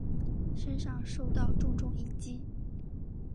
身上受到重重一击